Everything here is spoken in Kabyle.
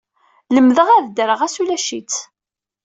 Lemdeɣ ad ddreɣ ɣas ulac-itt.